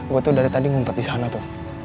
gue tuh dari tadi ngumpet di sana tuh